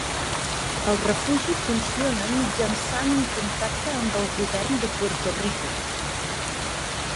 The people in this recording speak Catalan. El refugi funciona mitjançant un contracte amb el govern de Puerto Rico.